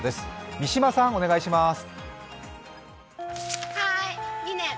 三島さん、お願いします。